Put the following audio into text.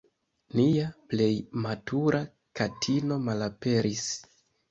"Nia plej matura katino malaperis.